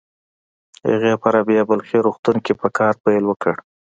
هغې په رابعه بلخي روغتون کې په کار پيل وکړ.